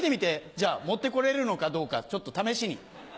じゃあ持ってこれるのかどうかちょっと試しに。